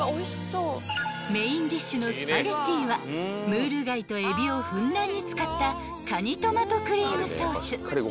［メインディッシュのスパゲティはムール貝とエビをふんだんに使ったカニトマトクリームソース］